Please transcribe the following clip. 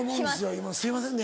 今すいませんね。